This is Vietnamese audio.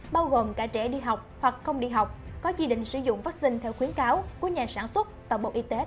bao gồm cả trẻ đi học hoặc không đi học có chỉ định sử dụng vaccine theo khuyến cáo của nhà sản xuất và bộ y tế